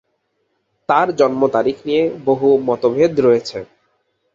তাঁর জন্ম তারিখ নিয়ে বহু মতভেদ রয়েছে।